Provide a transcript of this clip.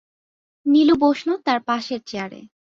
নীলু বসল তাঁর পাশের চেয়ারে।